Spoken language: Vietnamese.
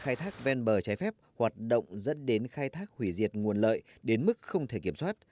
khai thác ven bờ trái phép hoạt động dẫn đến khai thác hủy diệt nguồn lợi đến mức không thể kiểm soát